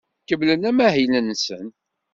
Kemmlen amahil-nsen.